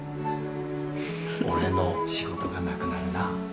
俺の仕事がなくなるな。